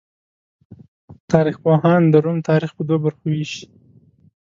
تاریخ پوهان د روم تاریخ په دوو برخو ویشي.